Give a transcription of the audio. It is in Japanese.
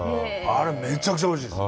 あれ、めちゃくちゃおいしいです。